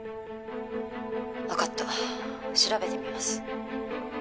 わかった調べてみます。